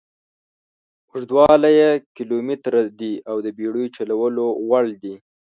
اوږدوالی یې کیلومتره دي او د بېړیو چلولو وړ دي.